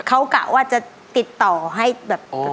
เขากะว่าจะติดต่อให้อยู่แล้ว